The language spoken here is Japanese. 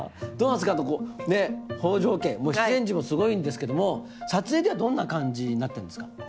どうなんですか北条家出演陣もすごいんですけども撮影ではどんな感じになってるんですか？